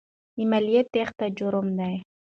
د مالیې تېښته جرم دی.